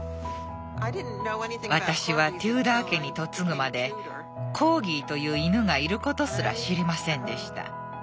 私はテューダー家に嫁ぐまでコーギーという犬がいることすら知りませんでした。